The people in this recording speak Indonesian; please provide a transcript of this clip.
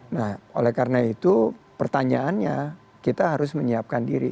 nah oleh karena itu pertanyaannya kita harus menyiapkan diri